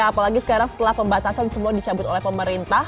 apalagi sekarang setelah pembatasan semua dicabut oleh pemerintah